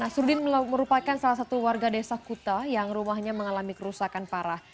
nasruddin merupakan salah satu warga desa kuta yang rumahnya mengalami kerusakan parah